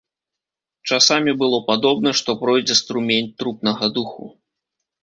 Часамі было падобна, што пройдзе струмень трупнага духу.